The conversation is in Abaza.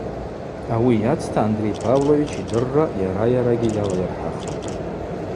Ауи йацта Андрей Павлович йдырра йара-йарагьи йалайырхӏахтӏ.